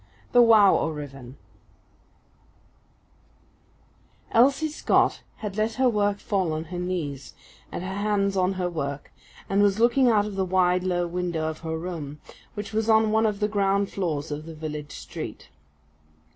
THE WOW O'RIVEN Elsie Scott had let her work fall on her knees, and her hands on her work, and was looking out of the wide, low window of her room, which was on one of the ground floors of the village street.